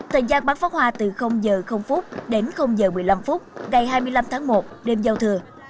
thời gian bắn pháo hoa từ h đến h một mươi năm phút ngày hai mươi năm tháng một đêm giao thừa